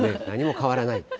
何も変わらない。